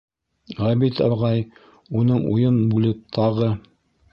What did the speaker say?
Ғәбит ағай, уның уйын бүлеп, тағы: